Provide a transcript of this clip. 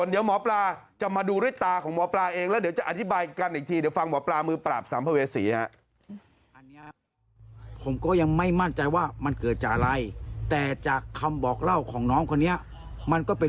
เดี๋ยวหมอปลาจะมาดูด้วยตาของหมอปลาเองแล้วเดี๋ยวจะอธิบายกันอีกที